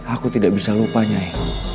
aku tidak bisa lupa nyai